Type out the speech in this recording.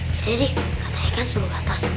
ya deh deh katanya kan suruh atas